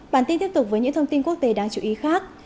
bản tin tiếp tục với những thông tin quốc tế đáng chú ý khác